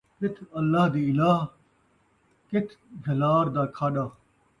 کتھ اللہ دی الہٰی ، کتھ جھلار دا کھاݙا